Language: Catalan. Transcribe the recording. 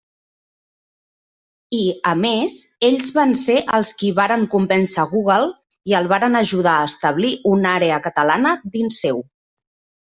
I, a més, ells van ser els qui varen convèncer Google i el varen ajudar a establir una àrea catalana dins seu.